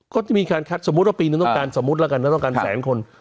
ก็จะมีการคัดสมมุติว่าปีนึงต้องการสมมุติแล้วกันนะต้องการแสนคน